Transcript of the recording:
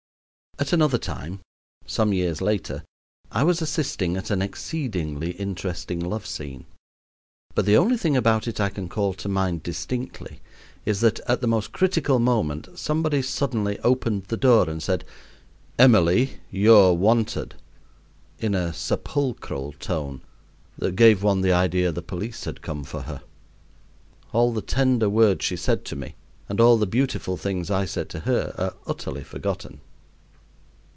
At another time some years later I was assisting at an exceedingly interesting love scene; but the only thing about it I can call to mind distinctly is that at the most critical moment somebody suddenly opened the door and said, "Emily, you're wanted," in a sepulchral tone that gave one the idea the police had come for her. All the tender words she said to me and all the beautiful things I said to her are utterly forgotten.